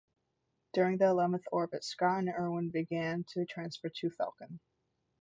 During the eleventh orbit, Scott and Irwin began to transfer to "Falcon".